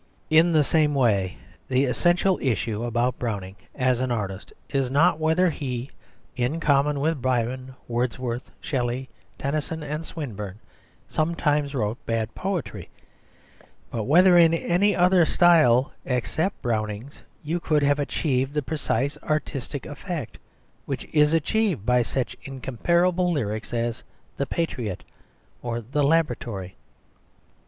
In the same way, the essential issue about Browning as an artist is not whether he, in common with Byron, Wordsworth, Shelley, Tennyson, and Swinburne, sometimes wrote bad poetry, but whether in any other style except Browning's you could have achieved the precise artistic effect which is achieved by such incomparable lyrics as "The Patriot" or "The Laboratory."